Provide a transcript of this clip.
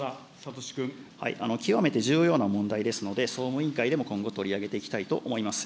極めて重要な問題ですので、総務委員会でも、今後、取り上げていきたいと思います。